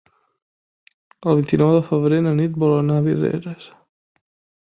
El vint-i-nou de febrer na Nit vol anar a Vidreres.